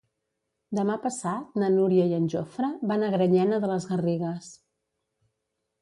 Demà passat na Núria i en Jofre van a Granyena de les Garrigues.